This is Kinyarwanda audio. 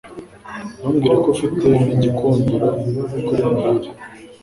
Ntumbwire ko ufite igikundiro kuri muhire.